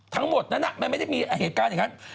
ทั้งหมดนั้นมันไม่ได้มีเหตุการณ์อย่างนั้น